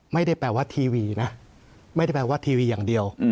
ไม่ได้แปลว่าทีวีนะไม่ได้แปลว่าทีวีอย่างเดียว